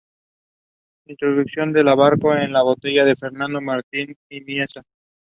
Goldman has married twice.